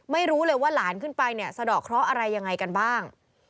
ไม่รู้เลยว่าหลานขึ้นไปเนี่ยสะดอกเคราะห์อะไรยังไงกันบ้าง